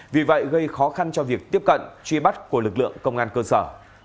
vì vậy gây khó khăn cho việc tiếp cận truy bắt của lực lượng công an cơ sở